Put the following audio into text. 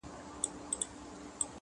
ازادۍ ږغ اخبار د هر چا لاس کي ګرځي،